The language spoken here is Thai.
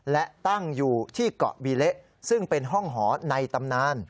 และตั้งอยู่ที่เกาะบีเละซึ่งเป็นห้องหอในตำนาน